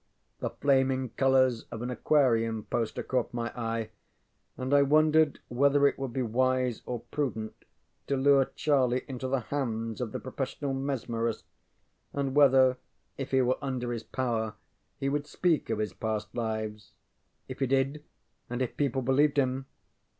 The flaming colors of an Aquarium poster caught my eye and I wondered whether it would be wise or prudent to lure Charlie into the hands of the professional mesmerist, and whether, if he were under his power, he would speak of his past lives. If he did, and if people believed him...